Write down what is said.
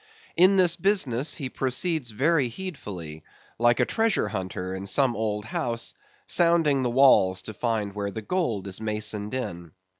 In this business he proceeds very heedfully, like a treasure hunter in some old house, sounding the walls to find where the gold is masoned in.